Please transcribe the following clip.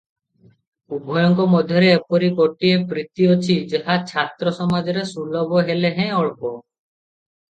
ଉଭୟଙ୍କ ମଧ୍ୟରେ ଏପରି ଗୋଟିଏ ପ୍ରୀତି ଅଛି, ଯାହା ଛାତ୍ର ସମାଜରେ ସୁଲଭ ହେଲେହେଁ ଅଳ୍ପ ।